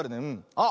あっ。